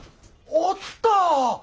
おった！